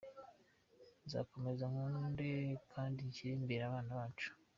Nzakomeza nkunde kandi nshyire imbere abana bacu.